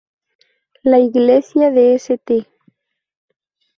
La Iglesia de St.